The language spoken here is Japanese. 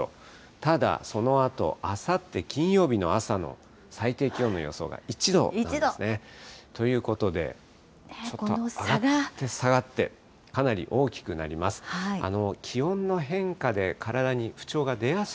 ただ、そのあと、あさって金曜日の朝の最低気温の予想が１度なんですね。ということで、ちょっと上がって下がって、かなり大きくなります。